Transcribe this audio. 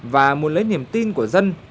và muốn lấy niềm tin của dân